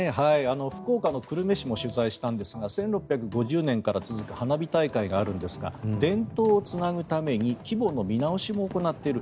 福岡の久留米市も取材したんですが１６５０年から続く花火大会があるんですが伝統をつなぐために規模の見直しも行っている。